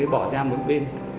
bỏ ra một bên